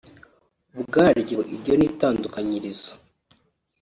ubwaryo iryo ni itandukanyirizo